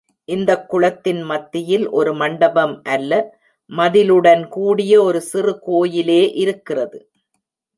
இந்தக் குளத்தின் மத்தியில் ஒரு மண்டபம் அல்ல, மதிலுடன் கூடிய ஒரு சிறு கோயிலே இருக்கிறது.